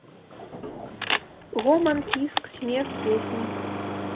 Гоман, піск, смех, песні.